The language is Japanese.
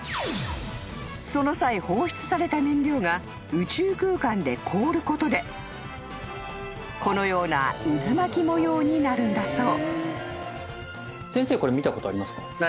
［その際放出された燃料が宇宙空間で凍ることでこのような渦巻き模様になるんだそう］